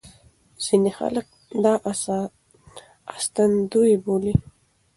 ځينې خلک دا ساتندوی بولي.